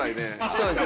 そうです。